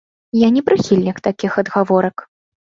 Я не прыхільнік такіх адгаворак.